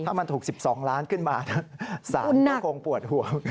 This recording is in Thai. ถ้ามันถูก๑๒ล้านขึ้นมาสารก็คงปวดหัว